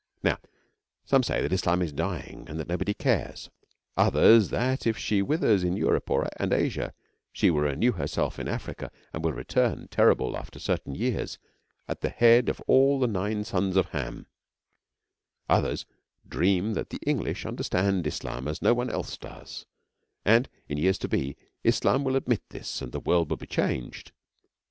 Some say now that Islam is dying and that nobody cares; others that, if she withers in Europe and Asia, she will renew herself in Africa and will return terrible after certain years, at the head of all the nine sons of Ham; others dream that the English understand Islam as no one else does, and, in years to be, Islam will admit this and the world will be changed.